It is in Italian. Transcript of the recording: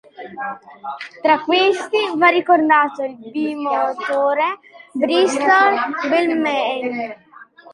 Tra questi va ricordato il bimotore Bristol Blenheim.